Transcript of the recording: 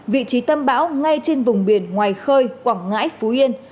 vị trí tâm bão ngay trên vùng biển ngoài khơi quảng ngãi phú yên